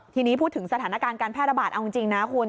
ทีนี้พูดถึงสถานการณ์การแพร่ระบาดเอาจริงนะคุณ